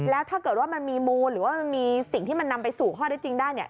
แล้วถ้าเกิดว่ามันมีมูลหรือว่ามันมีสิ่งที่มันนำไปสู่ข้อได้จริงได้เนี่ย